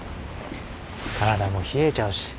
体も冷えちゃうし。